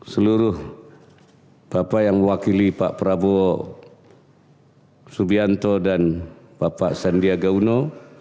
seluruh bapak yang mewakili pak prabowo subianto dan bapak sandiaga uno